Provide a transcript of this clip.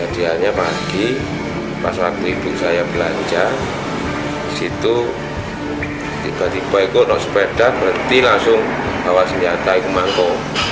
berarti langsung bawa senjata ikut mangkuk